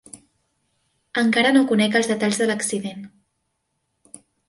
Encara no conec els detalls de l'accident.